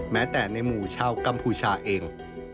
แม้แต่ในหมู่ชาวกัมพูชาเอง